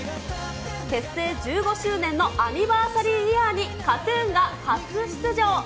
結成１５周年のアニバーサリーイヤーにＫＡＴーＴＵＮが初出場。